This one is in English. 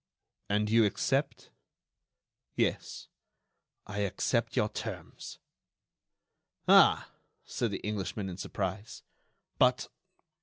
"And you accept?" "Yes; I accept your terms." "Ah!" said the Englishman, in surprise, "but